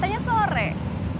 saya bukannya rais